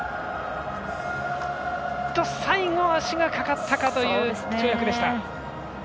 最後、足がかかったという跳躍。